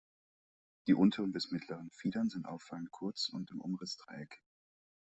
Die unteren bis mittleren Fiedern sind auffallend kurz und im Umriss dreieckig.